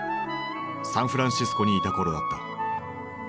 サンフランシスコにいた頃だった。